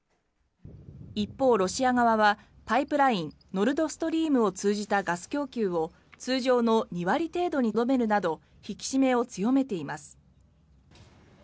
一方、ロシア側はパイプラインノルド・ストリームを通じたガス供給を通常の２割程度にとどめるなど引き締めを強めています。